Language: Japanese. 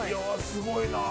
すごいなあ。